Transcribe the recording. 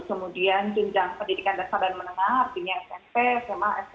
kemudian jenjang pendidikan dasar dan menengah artinya smp sma sma